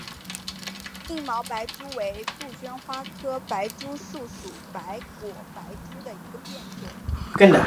硬毛白珠为杜鹃花科白珠树属白果白珠的变种。